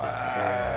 へえ！